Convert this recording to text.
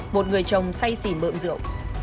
một người chồng say xỉm bợm rượu